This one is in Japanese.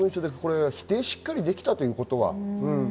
否定がしっかりできたということは。